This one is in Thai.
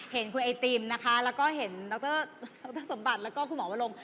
เห็นคุณไอติมนะคะแล้วก็เห็นดรดรสมบัติแล้วก็คุณหมอวลง